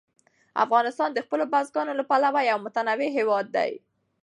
افغانستان د خپلو بزګانو له پلوه یو متنوع هېواد دی.